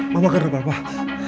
mama kenapa pak